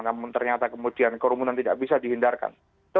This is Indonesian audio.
namun ternyata kemudian kerumunan tidak bisa dihindarkan